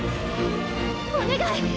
お願い！